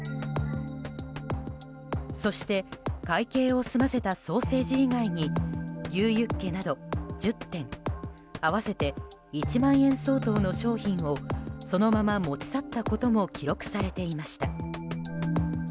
そして、会計を済ませたソーセージ以外に牛ユッケなど１０点合わせて１万円相当の商品をそのまま持ち去ったことも記録されていました。